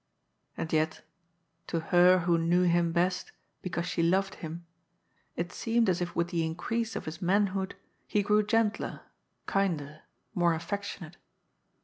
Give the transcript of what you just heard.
And yet — to her who knew him best because she loved him, it seemed as if with the increase of his manhood he grew gentler, kinder, more affectionate.